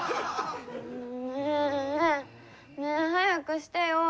ねえ！ねえ早くしてよ。